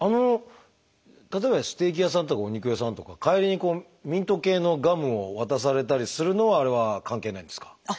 例えばステーキ屋さんとかお肉屋さんとか帰りにミント系のガムを渡されたりするのはあれは関係ないんですか？